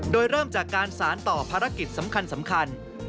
โดยเริ่มจากการสารต่อภารกิจสำคัญ